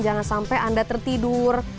jangan sampai anda tertidur